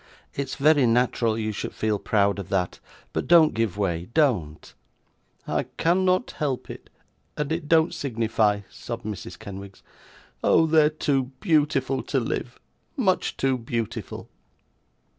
it's very natural you should feel proud of that; but don't give way, don't.' 'I can not help it, and it don't signify,' sobbed Mrs. Kenwigs; 'oh! they're too beautiful to live, much too beautiful!